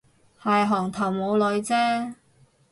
係行頭冇女啫